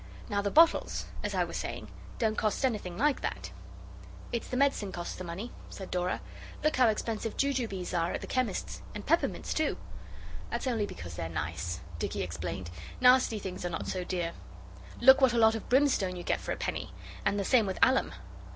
Now the bottles, as I was saying, don't cost anything like that.' 'It's the medicine costs the money,' said Dora; 'look how expensive jujubes are at the chemist's, and peppermints too.' 'That's only because they're nice,' Dicky explained; 'nasty things are not so dear. Look what a lot of brimstone you get for a penny, and the same with alum.